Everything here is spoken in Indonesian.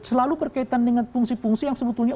selalu berkaitan dengan fungsi fungsi yang sebetulnya